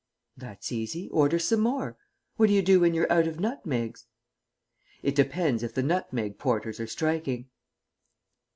"That's easy. Order some more. What do you do when you're out of nutmegs?" "It depends if the nutmeg porters are striking."